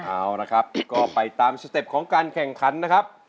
เอาละครับก็ไปตามสเต็ปของการแข่งขันนะครับ